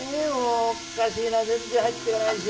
おっかしいな全然入っていかないし。